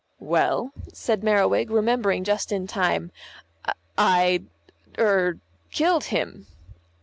"Well," said Merriwig, remembering just in time, "I er killed him."